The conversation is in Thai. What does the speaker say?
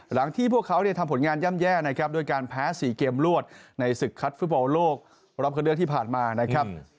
ที่พวกเขาทำผลงานย่ำแย่นะครับด้วยการแพ้๔เกมรวดในศึกคัดฟุตบอลโลกรอบคันเลือกที่ผ่านมานะครับ